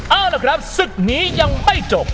เอาล่ะครับศึกนี้ยังไม่จบ